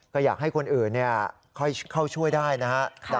ก็อยากให้คนอื่นเข้าช่วยได้นะครับ